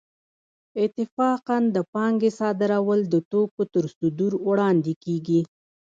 اتفاقاً د پانګې صادرول د توکو تر صدور وړاندې کېږي